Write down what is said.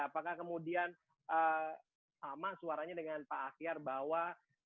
apakah kemudian sama suaranya dengan pak akhyar bahwa